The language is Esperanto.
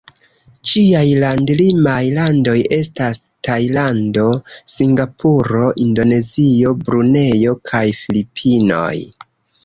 Ĝiaj land-limaj landoj estas Tajlando, Singapuro, Indonezio, Brunejo kaj Filipinoj.